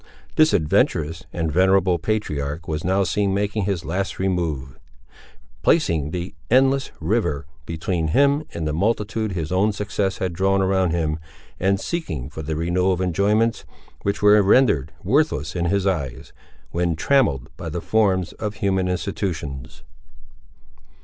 This adventurous and venerable patriarch was now seen making his last remove; placing the "endless river" between him and the multitude his own success had drawn around him, and seeking for the renewal of enjoyments which were rendered worthless in his eyes, when trammelled by the forms of human institutions.